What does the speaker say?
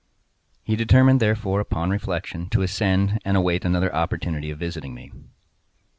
He determined, therefore, upon reflection, to ascend, and await another opportunity of visiting me.